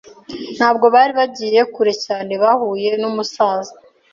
Ntabwo bari bagiye kure cyane bahuye numusaza.